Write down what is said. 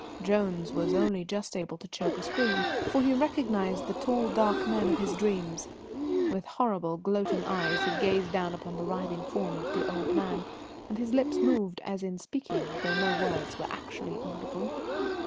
Jones was only just able to choke a scream, for he recognised the tall dark man of his dreams. With horrible, gloating eyes he gazed down upon the writhing form of the old man, and his lips moved as in speaking, though no words were actually audible.